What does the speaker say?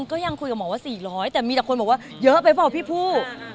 ก็ยังคุยกับหมอว่า๔๐๐แต่มีแต่คนบอกว่าเยอะไปเปล่าพี่ผู้